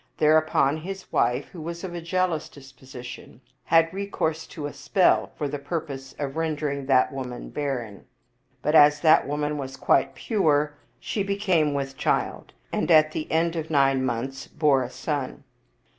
Thereupon his wife, who was of a jealous disposition, had recourse to a spell for the pur pose of rendering that woman barren. But as that woman was quite pure, she became with child, and at the end of nine months bare a son.